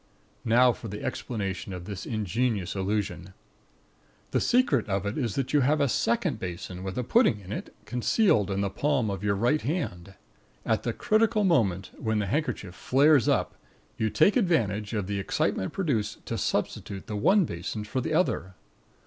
Now for the explanation of this ingenious illusion. The secret of it is that you have a second basin, with a pudding in it, concealed in the palm of your right hand. At the critical moment, when the handkerchief flares up, you take advantage of the excitement produced to substitute the one basin for the other.